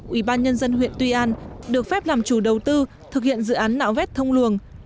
ủy ban nhân dân huyện tuy an được phép làm chủ đầu tư thực hiện dự án nạo vét thông luồng